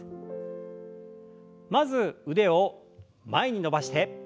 まず腕を前に伸ばして。